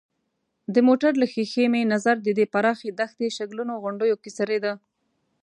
د موټر له ښېښې مې نظر د دې پراخې دښتې شګلنو غونډیو کې څرېده.